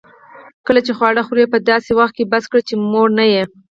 کله چي خواړه خورې؛ په داسي وخت کښې بس کړئ، چي موړ نه يې.